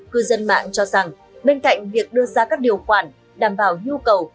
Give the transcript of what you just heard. cư dân mạng cho rằng bên cạnh việc đưa ra các điều khoản đảm bảo nhu cầu